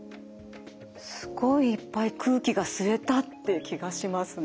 すごいいっぱい空気が吸えたっていう気がしますね。